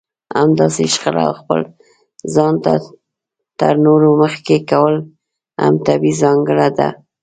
همداسې شخړه او خپل ځان تر نورو مخکې کول هم طبيعي ځانګړنه ده.